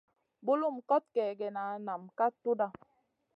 Bulum kot kègèna nam ka tudha.